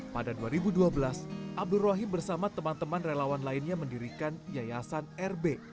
pada dua ribu dua belas abdul rohim bersama teman teman relawan lainnya mendirikan yayasan rb